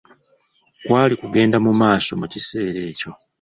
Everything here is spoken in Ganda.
Kwali kugenda mu maaso mu kiseera ekyo.